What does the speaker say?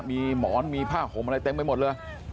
มีหมอนมีผ้าห่มอะไรเต็มไปหมดเลย